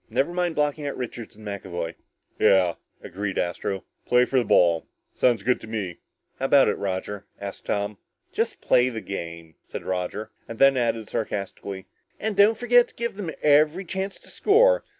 "Never mind blocking out Richards and McAvoy." "Yeah," agreed Astro, "play for the ball. Sounds good to me." "How about it, Roger?" asked Tom. "Just play the game," said Roger. And then added sarcastically, "And don't forget to give them every chance to score.